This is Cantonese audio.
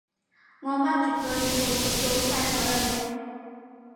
我媽絕對做到晒所有嘢